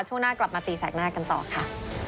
ช่วงหน้ากลับมาตีแสกหน้ากันต่อค่ะ